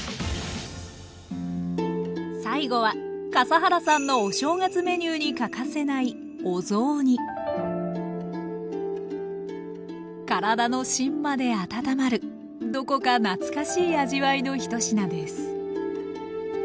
最後は笠原さんのお正月メニューに欠かせないお雑煮体の芯まで温まるどこか懐かしい味わいの１品です